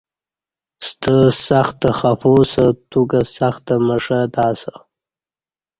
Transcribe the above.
ستہ سختہ خفو اسہ، تو کہ سختہ مشہ تہ اسہ